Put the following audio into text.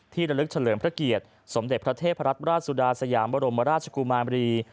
ระลึกเฉลิมพระเกียรติสมเด็จพระเทพรัตนราชสุดาสยามบรมราชกุมารี